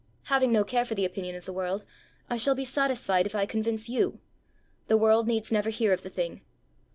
"Having no care for the opinion of the world, I shall be satisfied if I convince you. The world needs never hear of the thing.